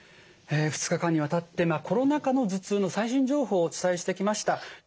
２日間にわたってコロナ禍の頭痛の最新情報をお伝えしてきました。